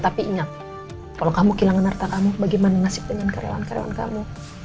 tapi ingat kalau kamu kehilangan harta kamu bagaimana nasib dengan karyawan karyawan kamu